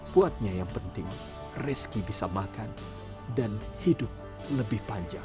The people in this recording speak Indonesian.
buatnya yang penting rezeki bisa makan dan hidup lebih panjang